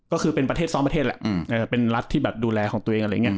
ก็คือเป็นประเทศซ้อมประเทศแหละเป็นรัฐที่แบบดูแลของตัวเองอะไรอย่างนี้